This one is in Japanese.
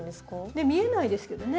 ねっ見えないですけどね。